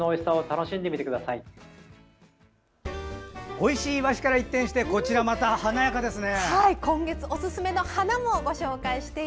おいしいイワシから一転してこちらまた華やかですね！